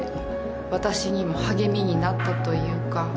私にも励みになったというか。